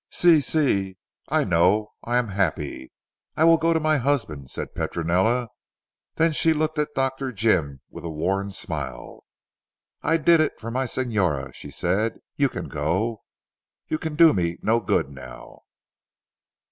"Si Si. I know. I am happy. I will go to my husband," said Petronella. Then she looked at Dr. Jim with a worn smile. "I did it for my signora," she said, "you can go. You can do me no good now."